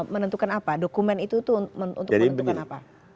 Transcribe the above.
menentukan apa dokumen itu untuk menentukan apa